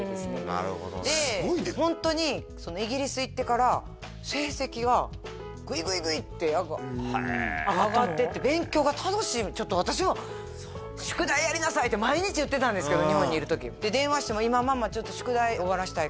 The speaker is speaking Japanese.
なるほどねでホントにイギリス行ってから成績がグイグイグイッて上がってって勉強が楽しいちょっと私は宿題やりなさいって毎日言ってたんですけど日本にいる時で電話しても「今ママちょっと宿題終わらせたいから」